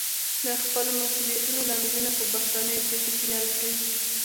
د خپلو مسوليتونو لاملونه په بهرنيو پېښو کې نه لټوي.